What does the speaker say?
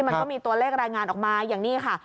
มันก็มีตัวเลขรายงานออกมาอย่างนี้ค่ะ